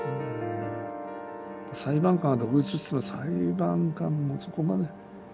裁判官は独立といっても裁判官もそこまで。